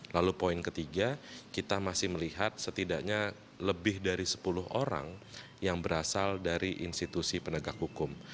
lalu poin ketiga kita masih melihat setidaknya lebih dari sepuluh orang yang berasal dari institusi penegak hukum